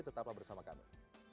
tetaplah bersama kami